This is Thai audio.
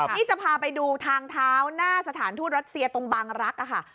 นี่จะพาไปดูทางเท้าหน้าสถานทูตรัสเซียตรงบางรักค่ะ